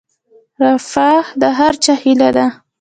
رفاه د هر چا هیله ده